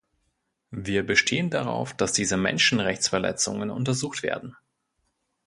Wir bestehen darauf, dass diese Menschenrechtsverletzungen untersucht werden.